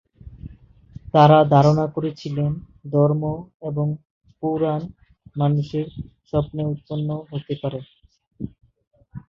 তারা ধারণা করেছিলেন, ধর্ম এবং পুরাণ মানুষের স্বপ্নে উৎপন্ন হতে পারে।